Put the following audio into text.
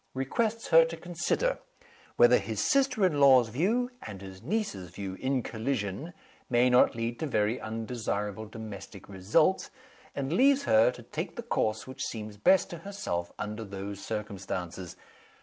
Requests her to consider whether his sister in law's view and his niece's view in collision, may not lead to very undesirable domestic results; and leaves her to take the course which seems best to herself under those circumstances.